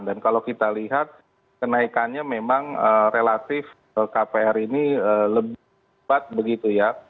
dan kalau kita lihat kenaikannya memang relatif kpr ini lebih cepat begitu ya